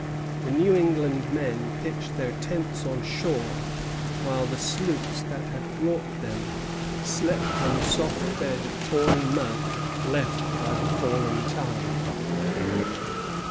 The New England men pitched their tents on shore, while the sloops that had brought them slept on the soft bed of tawny mud left by the fallen tide.